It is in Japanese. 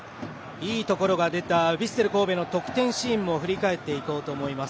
いいところが出たヴィッセル神戸の得点シーンを振り返っていきます。